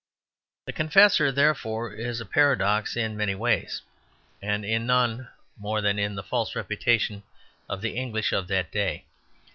The Confessor, therefore, is a paradox in many ways, and in none more than in the false reputation of the "English" of that day.